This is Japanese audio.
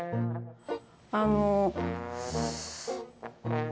あの。